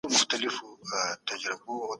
دا مهارتونه د ټولني د پرمختګ لپاره ګټور دي.